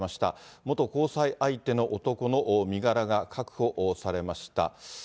元交際相手の男の身柄が確保されました。